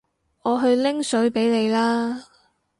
我去拎水畀你啦